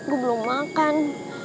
gue belum makan